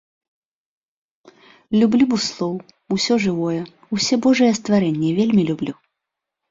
Люблю буслоў, усё жывое, усе божыя стварэнні вельмі люблю.